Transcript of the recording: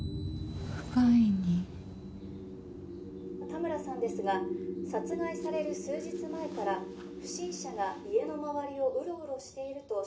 田村さんですが殺害される数日前から不審者が家の周りをうろうろしていると周囲に。